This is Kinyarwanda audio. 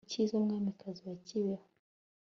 icyiza, mwamikazi wa kibeho